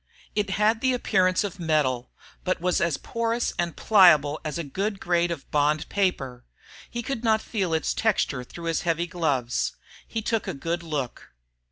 It had the appearance of metal, but was as porous and pliable as a good grade of bond paper. He could not feel its texture through his heavy gloves. He took a good look.